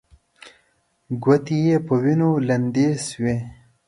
ګوتې يې په وينو لندې شوې.